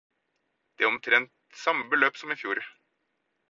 Det er omtrent samme beløp som i fjor.